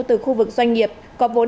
từ khu vực doanh nghiệp có vốn